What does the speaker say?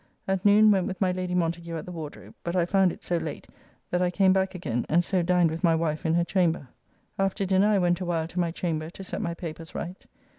At noon went with my Lady Montagu at the Wardrobe, but I found it so late that I came back again, and so dined with my wife in her chamber. After dinner I went awhile to my chamber to set my papers right.